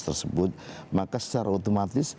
tersebut maka secara otomatis